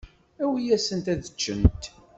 Awi-yasent ad ččent.